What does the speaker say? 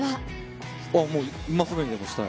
もう、今すぐにでもしたい。